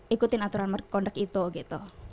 ikutin aturan market conduct itu gitu